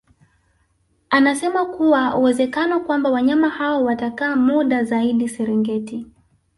Anasema kuna uwezekano kwamba wanyama hao watakaa muda zaidi Serengeti